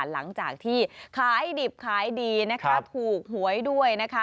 หลังจากที่ขายดิบขายดีนะคะถูกหวยด้วยนะคะ